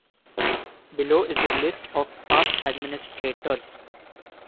Below is a list of past administrators.